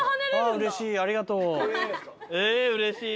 うれしい。